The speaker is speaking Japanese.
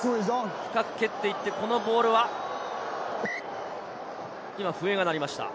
深く蹴っていって、このボールは今、笛が鳴りました。